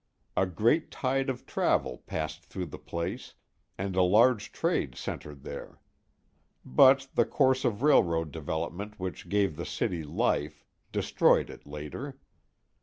A great tide of travel passed through the place, and a large trade centred there. But the course of railroad development which gave the city life, destroyed it later.